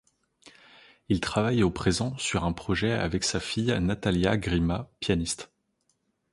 Il travaille au présent sur un projet avec sa fille Natalia Grima, pianiste.